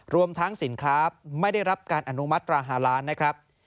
รวมทั้งสินค้าไม่ได้รับการอนุมัตรา๕ล้านนะครับ